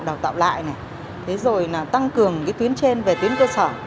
đào tạo lại rồi tăng cường tuyến trên về tuyến cơ sở